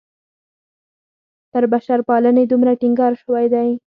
پر بشرپالنې دومره ټینګار شوی دی.